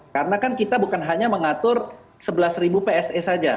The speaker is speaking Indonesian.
karena kan kita bukan hanya mengatur sebelas pse saja